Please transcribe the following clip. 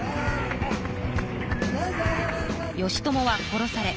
義朝は殺され